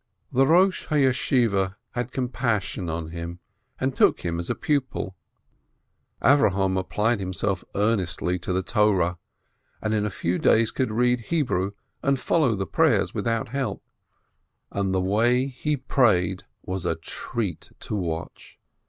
The Rosh ha Yeshiveh had compassion on him, and took him as a pupil. Avrohom applied himself earnestly to the Torah, and in a few days could read Hebrew and follow the prayers without help. And the way he prayed was a treat to watch.